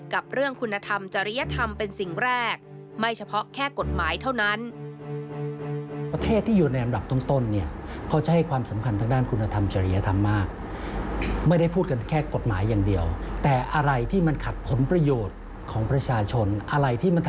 กับเรื่องคุณธรรมจริยธรรมเป็นสิ่งแรก